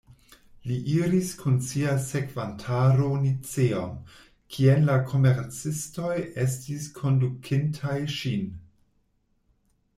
Li iris kun sia sekvantaro Niceon, kien la komercistoj estis kondukintaj ŝin.